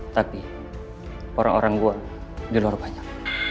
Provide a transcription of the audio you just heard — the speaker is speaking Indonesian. tapi orang orang gue di luar banyak